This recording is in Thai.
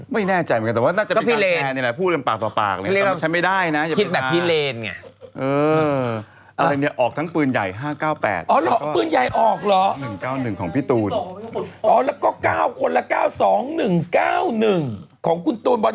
ไม่แน่ใจมากันก็เป็นแผลนเรื่องแหละพูดกันปากต่อเลย